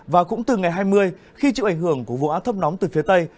và cũng từ ngày hai mươi khi chịu ảnh hưởng của vùng áp thấp nóng từ phía tây